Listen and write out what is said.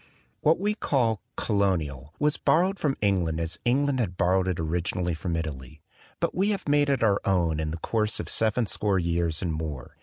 What we call " Colonial" was borrowed from England as England had borrowed it originally from Italy; but we have made it our own in the course of seven score years and more.